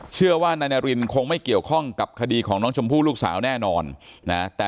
เชื่อว่านายนารินคงไม่เกี่ยวข้องกับคดีของน้องชมพู่ลูกสาวแน่นอนนะ